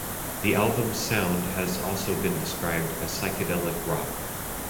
The album's sound has also been described as psychedelic rock.